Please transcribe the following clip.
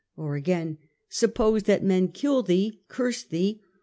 Or again :' Sup pose that men kill thee, curse thee.